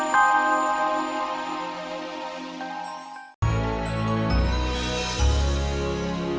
sampai jumpa lagi